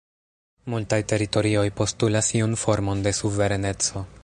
Multaj teritorioj postulas iun formon de suvereneco.